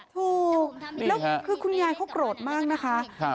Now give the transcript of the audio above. ถูกแล้วคือคุณยายเขาโกรธมากนะคะ